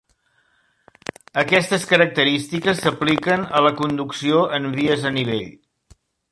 Aquestes característiques s'apliquen a la conducció en vies a nivell.